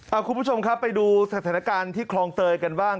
เอาคุณผู้ชมครับไปดูสถานการณ์ที่คลองเตยกันบ้าง